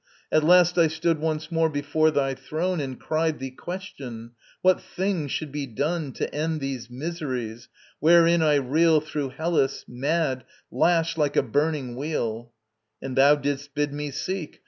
At last I stood once more before thy throne And cried thee question, what thing should be done To end these miseries, wherein I reel Through Hellas, mad, lashed like a burning wheel; And thou didst bid me seek